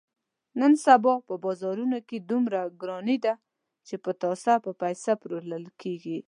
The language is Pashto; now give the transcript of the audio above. نن سبا په بازارونو کې دومره ګراني ده، چې پتاسه په پیسه پلورل کېږي.